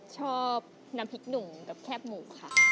ชอบน้ำพริกหนุ่มกับแคบหมูค่ะ